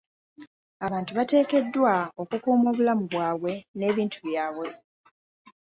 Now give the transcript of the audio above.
Abantu bateekeddwa okukuuma obulamu bwabwe n'ebintu byabwe.